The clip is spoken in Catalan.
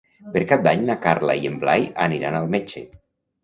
Per Cap d'Any na Carla i en Blai aniran al metge.